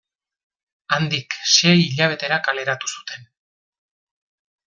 Handik sei hilabetera kaleratu zuten.